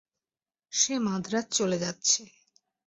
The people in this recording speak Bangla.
সে মাদ্রাজ চলে যাচ্ছে।